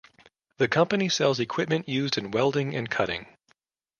The company sells equipment used in welding and cutting.